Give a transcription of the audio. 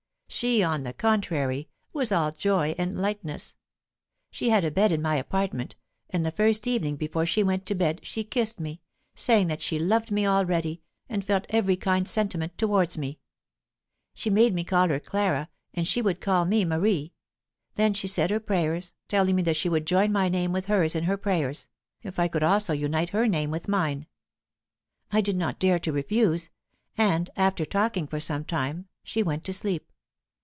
She, on the contrary, was all joy and lightness. She had a bed in my apartment; and the first evening before she went to bed she kissed me, saying that she loved me already, and felt every kind sentiment towards me. She made me to call her Clara, and she would call me Marie. Then she said her prayers, telling me that she would join my name with hers in her prayers, if I would also unite her name with mine. I did not dare to refuse; and, after talking for some time, she went to sleep.